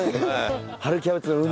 春キャベツの海。